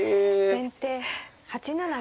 先手８七銀。